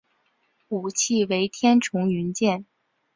武器为天丛云剑。